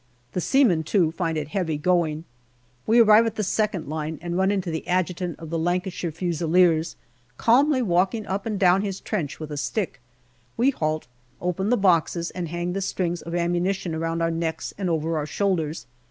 The seamen too find it heavy going. We arrive at the second line and run into the Adjutant of the Lancashire Fusiliers, calmly walking up and down his trench with a stick. We halt, open the boxes, and hang the strings of ammunition around our necks and over our shoulders.